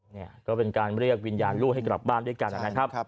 เนี่ยก็เป็นการเรียกวิญญาณลูกให้กลับบ้านด้วยกันนะครับ